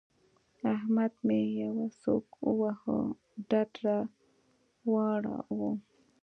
احمد مې يوه سوک وواهه؛ ډډ را واړاوو.